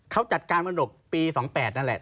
เขาจัดการมรดกปี๒๘นั่นแหละ